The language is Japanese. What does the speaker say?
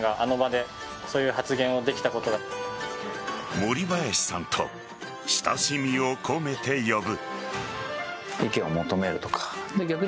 森林さんと親しみを込めて呼ぶ。